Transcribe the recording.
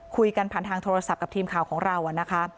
คุยกันผ่านทางโทรศัพท์กับทีมข่าวของเรานะคะ